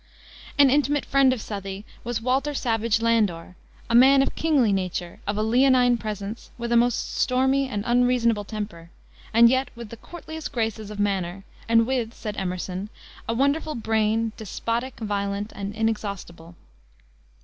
An intimate friend of Southey was Walter Savage Landor, a man of kingly nature, of a leonine presence, with a most stormy and unreasonable temper, and yet with the courtliest graces of manner and with said Emerson a "wonderful brain, despotic, violent, and inexhaustible."